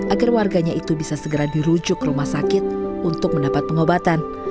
agar warganya itu bisa segera dirujuk ke rumah sakit untuk mendapat pengobatan